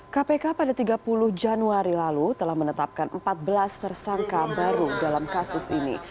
kpk pada tiga puluh januari lalu telah menetapkan empat belas tersangka baru dalam kasus ini